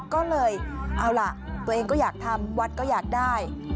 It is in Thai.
ก็เลยเอาล่ะตัวเองก็อยากทำวัดก็อยากได้